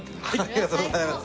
ありがとうございます。